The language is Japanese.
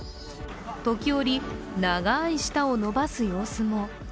時折、長い舌を伸ばす様子も。